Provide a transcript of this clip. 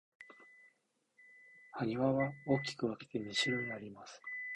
埴輪は大きく分けて二種類あります。